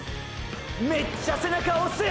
めっちゃ背中押す！！